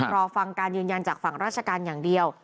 รอฟังการยืนยันจากฝั่งราชการอย่างเดียว